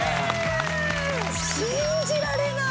信じられない！